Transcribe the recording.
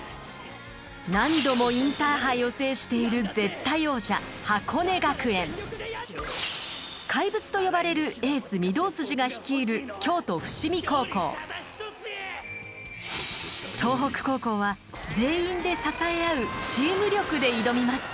何度もインターハイを制している怪物と呼ばれるエース御堂筋が率いる総北高校は全員で支えあう「チーム力」で挑みます。